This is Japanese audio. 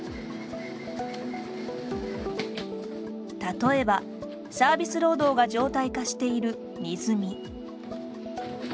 例えば、サービス労働が常態化している荷積み。